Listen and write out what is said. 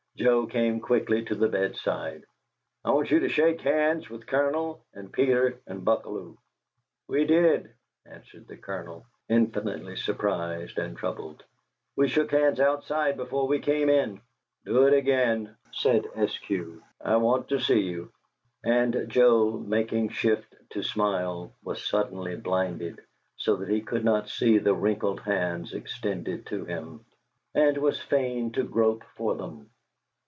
Joe came quickly to the bedside. "I want you to shake hands with the Colonel and Peter and Buckalew." "We did," answered the Colonel, infinitely surprised and troubled. "We shook hands outside before we came in." "Do it again," said Eskew. "I want to see you." And Joe, making shift to smile, was suddenly blinded, so that he could not see the wrinkled hands extended to him, and was fain to grope for them.